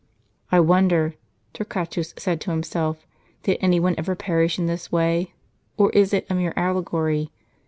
" I wonder," Torquatus said to himself, " did any one ever perish in this way ? or is it a mere allegory